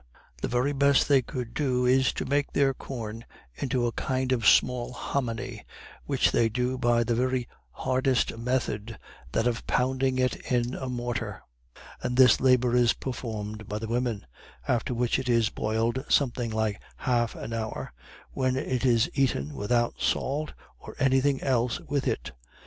The very best they can do is to make their corn into a kind of small homony, which they do by the very hardest method, that of pounding it in a mortar and this labor is performed by the women after which it is boiled something like half an hour, when it is eaten without salt or any thing else with it.